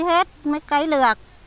hết mấy cây lược